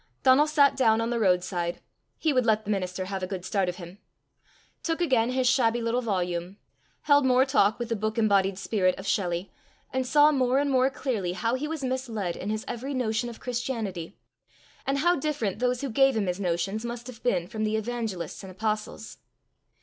Donal sat down on the roadside he would let the minister have a good start of him took again his shabby little volume, held more talk with the book embodied spirit of Shelley, and saw more and more clearly how he was misled in his every notion of Christianity, and how different those who gave him his notions must have been from the evangelists and apostles.